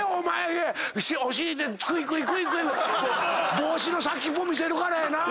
帽子の先っぽ見せるからやなぁ。